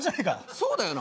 そうだよな。